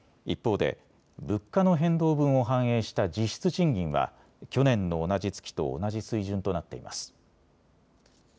一方で物価の変動分を反映した実質賃金は去年の同じ月と同じ水準となっています。